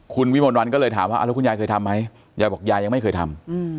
คุณวิมลวันก็เลยถามว่าแล้วคุณยายเคยทำไหมยายบอกยายยังไม่เคยทำ